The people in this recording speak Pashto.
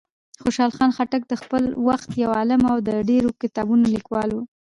خوشحال خان خټک د خپل وخت یو عالم او د ډېرو کتابونو لیکوال و.